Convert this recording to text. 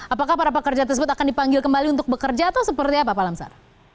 apakah para pekerja tersebut akan dipanggil kembali untuk bekerja atau seperti apa pak lamsar